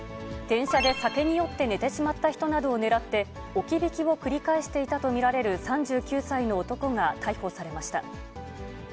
電車で酒に酔って寝てしまった人などを狙って、置き引きを繰り返していたと見られる３９歳の男が逮捕されました。